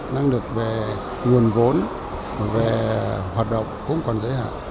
năng lực về nguồn vốn về hoạt động cũng còn giới hạn